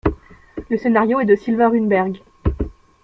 Le scénario est de Sylvain Runberg.